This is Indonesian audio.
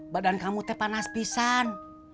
badan kamu tepanas pisan